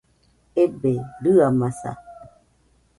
Ebe, rɨamaza